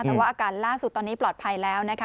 แต่ว่าอาการล่าสุดตอนนี้ปลอดภัยแล้วนะคะ